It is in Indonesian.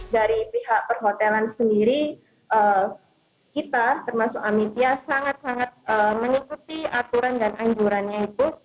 dari pihak perhotelan sendiri kita termasuk amittia sangat sangat mengikuti aturan dan anjurannya itu